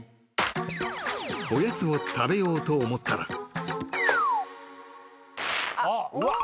［おやつを食べようと思ったら］